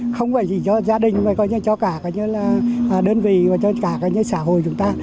không phải chỉ cho gia đình mà cho cả đơn vị và cho cả xã hội chúng ta